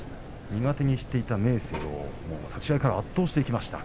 苦手にしていた明生を立ち合いから圧倒していきました。